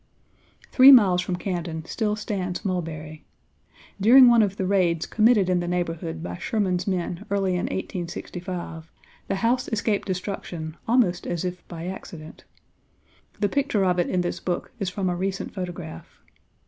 Three miles from Camden still stands Mulberry. During one of the raids committed in the neighborhood by Sherman's men early in 1865, the house escaped destruction almost as if by accident. The picture of it in this book is from a recent photograph.